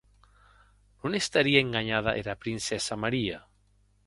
Non estarie enganhada era princessa Maria?